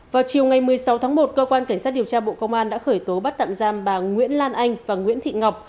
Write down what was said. vào chiều ngày một mươi sáu tháng một cơ quan cảnh sát điều tra bộ công an đã khởi tố bắt tạm giam bà nguyễn lan anh và nguyễn thị ngọc